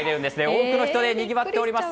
多くの人でにぎわっております。